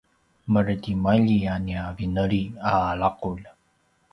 maretimalji a nia veneli a laqulj